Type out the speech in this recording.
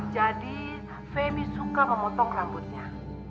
jadi feby suka memotong rambutnya